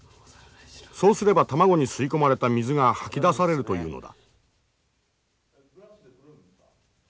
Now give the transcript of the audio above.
そうすれば卵に吸い込まれた水がはき出されるというのだ。